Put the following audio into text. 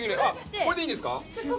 これでいいんですか？